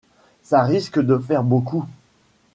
ça risque de faire beaucoup.